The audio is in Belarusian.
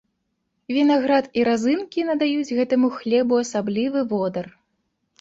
Вінаград і разынкі надаюць гэтаму хлебу асаблівы водар.